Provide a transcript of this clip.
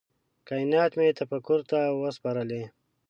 کائینات مي تفکر ته وه سپارلي